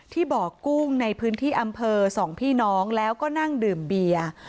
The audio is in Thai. ที่บ่อกุ้งในพื้นที่อำเภอ๒พี่น้องแล้วก็นั่งดื่มเบียร์